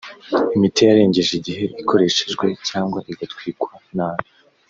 Imiti yarengeje igihe ikoreshejwe cyangwa igatwikwa nabi